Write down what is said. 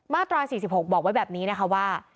ตรา๔๖บอกไว้แบบนี้นะคะว่า